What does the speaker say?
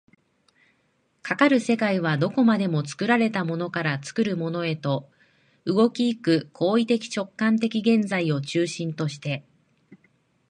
かかる世界はどこまでも作られたものから作るものへと、動き行く行為的直観的現在を中心として、